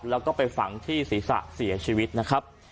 แล้วก็ไปฝังที่ศีรษะเสียชีวิตนะครับ